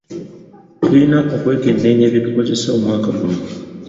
Tuyina okwekenneenya bye tukoze mu mwaka guno.